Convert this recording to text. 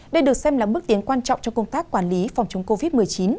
đây được xem là mức tiến quan trọng cho công tác quản lý phòng chống covid một mươi chín